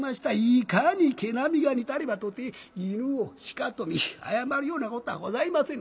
いかに毛並みが似たればとて犬を鹿と見誤るようなことはございませぬ。